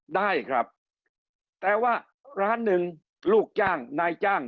ได้ครับแต่ว่าร้านหนึ่งลูกจ้างนายจ้าง